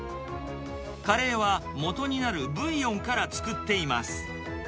カレーは、もとになるブイヨンから作っています。